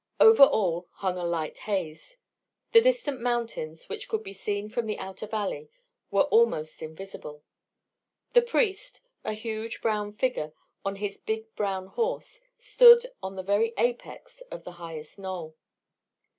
Over all hung a light haze. The distant mountains, which could be seen from the outer valley, were almost invisible. The priest, a huge brown figure, on his big brown horse, stood on the very apex of the highest knoll.